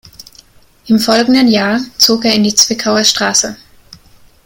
Im folgenden Jahr zog er in die Zwickauer Str.